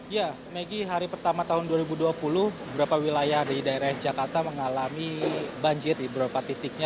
ya megi hari pertama tahun dua ribu dua puluh beberapa wilayah di daerah jakarta mengalami banjir di beberapa titiknya